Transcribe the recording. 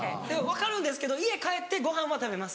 分かるんですけど家帰ってご飯は食べます。